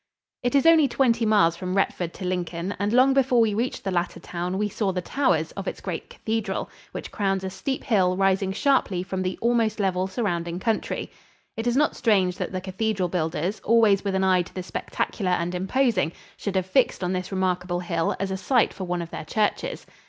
It is only twenty miles from Retford to Lincoln, and long before we reached the latter town we saw the towers of its great cathedral, which crowns a steep hill rising sharply from the almost level surrounding country. It is not strange that the cathedral builders, always with an eye to the spectacular and imposing, should have fixed on this remarkable hill as a site for one of their churches.